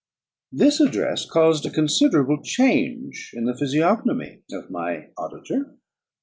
This address caused a considerable change in the physiognomy of my own auditor.